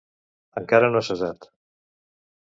Encara no ha cessat.